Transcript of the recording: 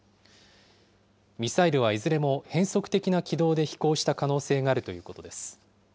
ミサイルはいずれも変則的な軌道で飛行した可能性があるということです。